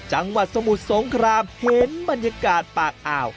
จังหวัดสมุทรสงครามเห็นบรรยากาศปากอ่าว